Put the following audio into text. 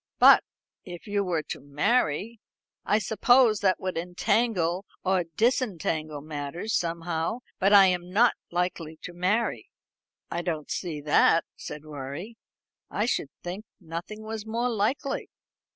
"But if you were to marry " "I suppose that would entangle or disentangle matters somehow. But I am not likely to marry." "I don't see that," said Rorie. "I should think nothing was more likely."